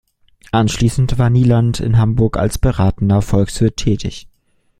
Anschließend war Nieland in Hamburg als „beratender Volkswirt“ tätig.